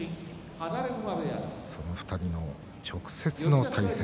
その２人の直接の対決。